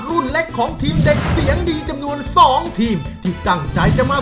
รุ่นเล็กของทีมเด็กเสียงดีจำนวน๒ทีมที่ตั้งใจจะมา